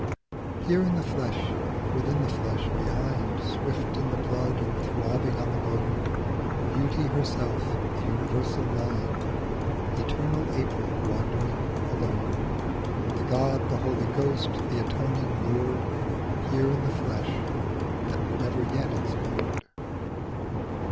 Here in the flesh, within the flesh, behind, Swift in the blood and throbbing on the bone, Beauty herself, the universal mind, Eternal April wandering alone ; The god, the holy ghost, the atoning lord, Here in the flesh, the never yet explored.